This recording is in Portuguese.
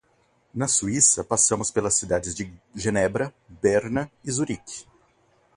Na Suíça passamos pelas cidades de Genebra, Berna e Zurique.